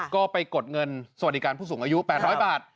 ก็ไปกดเงินสวัสดิการผู้สูงอายุ๘๐๐บาท